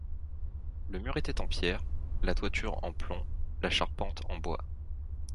Le mur était en pierre, la toiture en plomb, la charpente en bois.